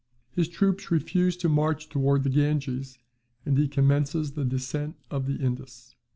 His troops refuse to march towards the Ganges, and he commences the descent of the Indus.